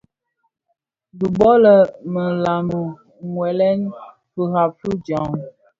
Dhi bō lè më lami wuèle firab fi djaň.